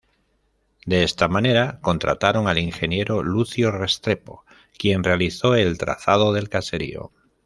De esta manera, contrataron al Ingeniero Lucio Restrepo, quien realizó el trazado del caserío.